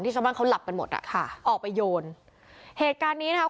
ชาวบ้านเขาหลับกันหมดอ่ะค่ะออกไปโยนเหตุการณ์นี้นะคะ